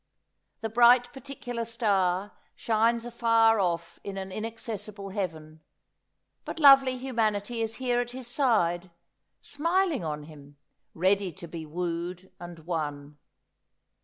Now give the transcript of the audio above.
The bright particular star shines afar off in an inaccessible heaven ; but lovely hu manity is here at his side, smiling on him, ready to be wooed and won.